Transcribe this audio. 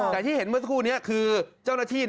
แต่ที่เห็นเพราะคู่นี้คู่เจ้าหน้าที่